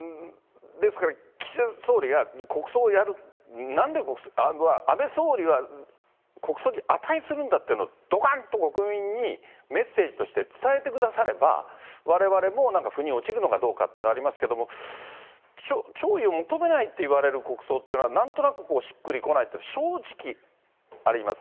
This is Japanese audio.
ですから、岸田総理が国葬をやる、なんで国葬、安倍総理は国葬に値するんだっていうのを、どかんと国民にメッセージとして伝えてくだされば、われわれもなんかふに落ちるのかどうかっていうのはありますけれども、弔意を求めないって言われる国葬っていうのはなんとなくしっくりこないっていうのは、正直あります。